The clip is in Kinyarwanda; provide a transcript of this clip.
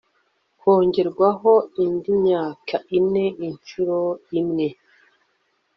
kongerwaho indi myaka ine inshuro imwe